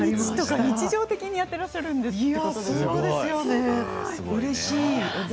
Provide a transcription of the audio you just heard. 日常的にやっていらっしゃるんですね。